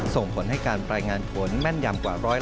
ส่งผลให้การปลายงานผลแม่นยำกว่า๑๐๐ละ๙๙